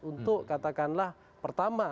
untuk katakanlah pertama